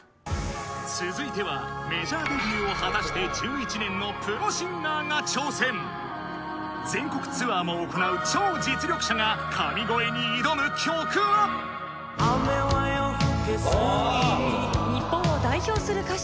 続いてはメジャーデビューを果たして１１年のプロシンガーが挑戦全国ツアーも行う超実力者が神声に挑む曲は⁉日本を代表する歌手